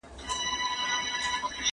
د خلګو د ژوند سطحه ارزول کيږي.